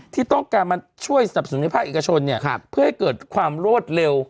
ที่ต้องการมาช่วยสนับสนุนภาคเอกชนเพื่อให้เกิดความรวดเร็ว